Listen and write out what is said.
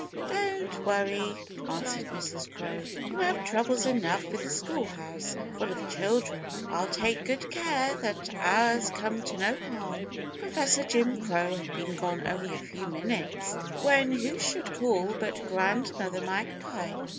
"Don't worry," answered Mrs. Crow, "you have troubles enough with the schoolhouse full of children. I'll take good care that ours come to no harm." Professor Jim Crow had been gone only a few minutes when who should call but Grandmother Magpie.